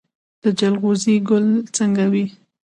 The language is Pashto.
د جلغوزي ګل څنګه وي؟